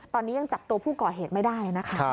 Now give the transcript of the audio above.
ตอนนี้ยังจับตัวผู้ก่อเหตุไม่ได้นะคะ